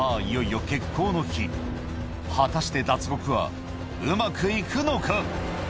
いよいよ決行の日果たして脱獄はうまく行くのか？